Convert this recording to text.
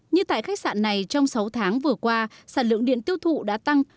như tại khách sạn này trong sáu tháng vừa qua sản lượng điện tiêu thụ đã tăng